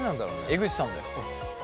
江口さんだよ。